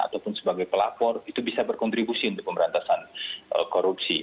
ataupun sebagai pelapor itu bisa berkontribusi untuk pemberantasan korupsi